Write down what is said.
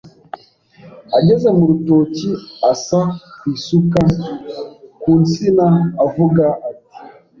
” ageze mu rutoki asa kuisuka ku nsina avuga ati: